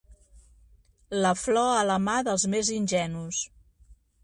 La flor a la mà dels més ingenus.